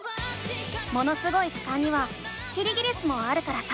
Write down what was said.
「ものすごい図鑑」にはキリギリスもあるからさ